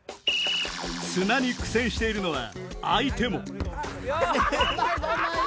砂に苦戦しているのは相手もハハハハハ！